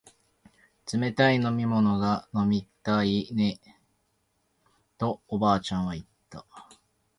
冷たい飲み物が飲みたいねえとおばあちゃんは言った